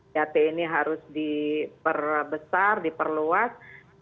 yat ini harus diperbesar diperluas